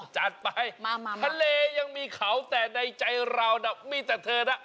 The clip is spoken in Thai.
จัดไปทะเลยังมีเขาแต่ในใจเราน่ะมีแต่เธอนะ